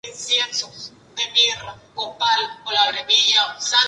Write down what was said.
Destaca la gran entrada de piedra.